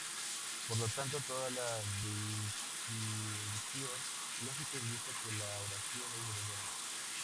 Por lo tanto, toda la disyunción lógica indica que la oración es verdadera.